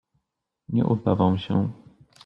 Nie uda wam się.